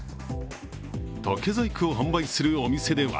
竹細工を販売するお店では